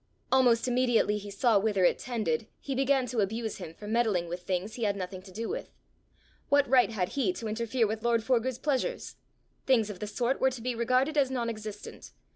Almost immediately he saw whither it tended, he began to abuse him for meddling with things he had nothing to do with. What right had he to interfere with lord Forgue's pleasures! Things of the sort were to be regarded as non existent!